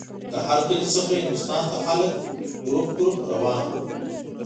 له هر کلي څخه هندوستان ته خلک ګروپ ګروپ روان وو.